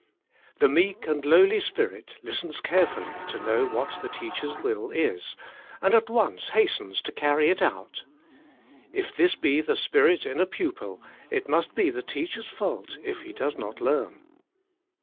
The meek and lowly spirit listens carefully to know what the teacher's will is, and at once hastens to carry it out. If this be the spirit in a pupil it must be the teacher's fault if he does not learn.